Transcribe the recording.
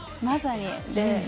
まさにで。